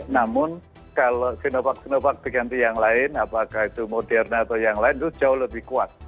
namun kalau sinovac sinovac diganti yang lain apakah itu moderna atau yang lain itu jauh lebih kuat